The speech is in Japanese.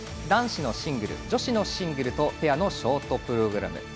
男子のシングル女子のシングルとペアのショートプログラム。